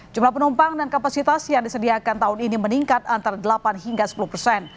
jumlah penumpang dan kapasitas yang disediakan tahun ini meningkat antara delapan hingga sepuluh persen